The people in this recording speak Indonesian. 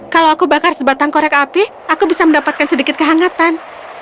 kalau aku bakar sebatang korek api aku bisa mendapatkan sedikit kehangatan